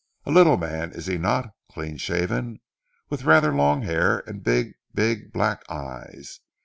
A little man is he not clean shaven with rather long hair and big, big black eyes.